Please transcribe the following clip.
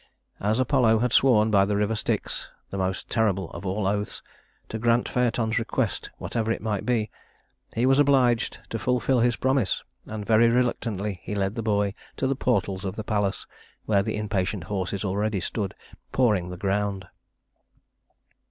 As Apollo had sworn by the river Styx the most terrible of all oaths to grant Phaëton's request whatever it might be, he was obliged to fulfill his promise; and very reluctantly he led the boy to the portals of the palace, where the impatient horses already stood pawing the ground.